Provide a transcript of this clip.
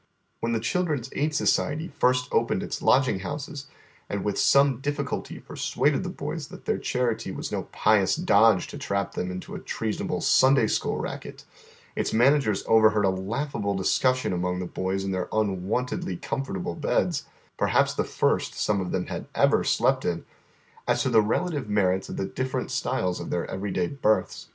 When the Children's Aid Society first opened its lodging houses, and with some difficulty persuaded the boys that their charity was no "pious dodge" to trap them into a treasonable "Sunday school racket," its managers overheard a laughable ■ discussion among the boys in their unwontedly comfortable beds — perhaps the first some of them had ever slept in — as to the relative merits of the different styles of their every day berths.